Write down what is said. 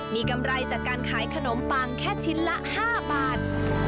มีกำไรจากการขายขนมปังแค่ชิ้นละ๕บาท